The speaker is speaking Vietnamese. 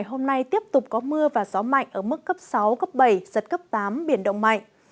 hôm nay tiếp tục có mưa và gió mạnh ở mức cấp sáu cấp bảy giật cấp tám biển động mạnh